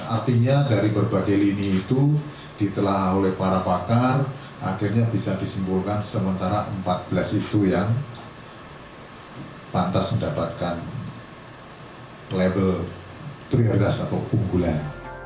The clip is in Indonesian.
artinya dari berbagai lini itu ditelah oleh para pakar akhirnya bisa disimpulkan sementara empat belas itu yang pantas mendapatkan label prioritas atau unggulan